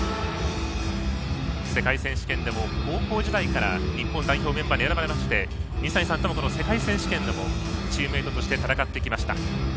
世界選手権でも高校時代から日本代表メンバーに選ばれまして水谷さんとも世界選手権でチームメートとして戦ってきました。